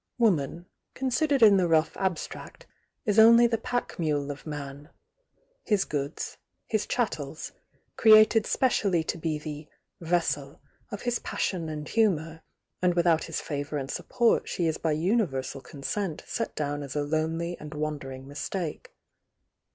Woman, considered in the rough abstract, is only the pack mule of man,— hia Koods. nis chattels, created specially to be the "ves sel of his passion and humour,— and without his favour and support she is by universal consent set down as a lonely and wandering mistake.